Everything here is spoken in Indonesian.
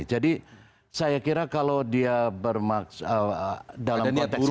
jadi saya kira kalau dia bermaksud dalam konteks ini